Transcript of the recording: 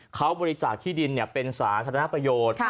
เขาบริจาคที่ดินเป็นสาธารณประโยชน์